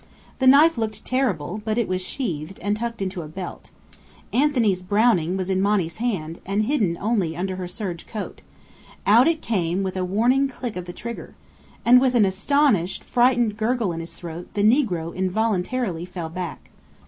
The knife looked terrible; but it was sheathed and tucked into a belt. Anthony's Browning was in Monny's hand, and hidden only under her serge coat. Out it came, with a warning click of the trigger. And with an astonished, frightened gurgle in his throat the negro involuntarily fell back.